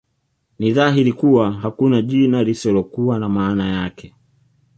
Ni dhahiri kuwa hakuna jina lisilokuwa na maana yake